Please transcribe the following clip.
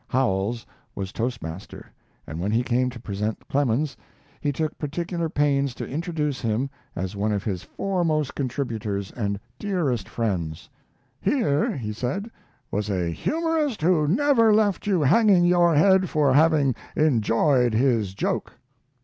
Howells was toastmaster, and when he came to present Clemens he took particular pains to introduce him as one of his foremost contributors and dearest friends. Here, he said, was "a humorist who never left you hanging you head for having enjoyed his joke."